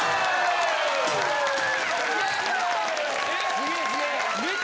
すげえすげえ。